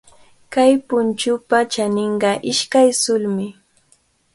Kay punchupa chaninqa ishkay sulismi.